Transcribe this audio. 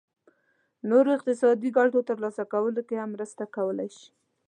نورو اقتصادي ګټو ترلاسه کولو کې هم مرسته کولای شي.